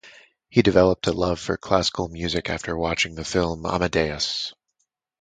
He developed a love for classical music after watching the film "Amadeus".